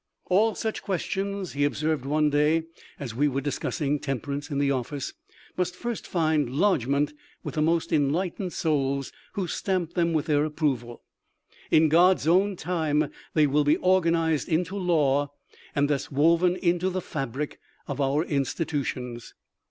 "All such questions," he ob served one day, as we were discussing temperance in the office, " must first find lodgment with the most enlightened souls who stamp them with their ap proval. In God's own time they will be organized into law and thus woven into the fabric of our in stitutions."